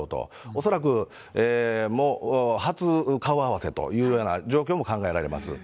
恐らく初顔合わせというような状況も考えられます。